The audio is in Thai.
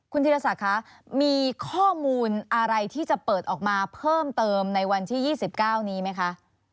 คุณธีรศักดิ์คะมีข้อมูลอะไรที่จะเปิดออกมาเพิ่มเติมในวันที่๒๙นี้ไหมคะ